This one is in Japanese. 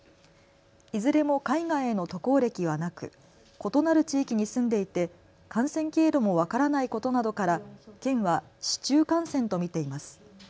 いずれも海外への渡航歴はなく異なる地域に住んでいて感染経路も分からないことなどから県は市中感染と見ています。